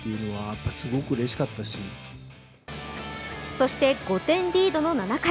そして、５点リードの７回。